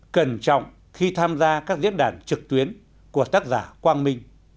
cẩn trọng khi tham gia các diễn đàn trực tuyến của tác giả quang minh